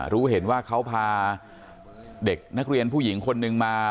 รู้เห็นว่าเขาพาเด็กนักเรียนผู้หญิงคนนึงมา